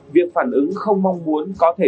việc phản ứng không mong muốn có thể